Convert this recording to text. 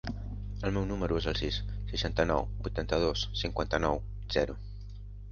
El meu número es el sis, seixanta-nou, vuitanta-dos, cinquanta-nou, zero.